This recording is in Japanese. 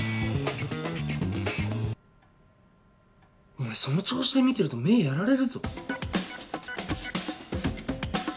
お前その調子で見てると目やられるぞ。